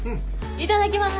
いただきます！